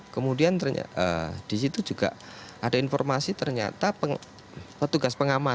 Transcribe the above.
kemudian disitu juga ada informasi ternyata petugas pengaman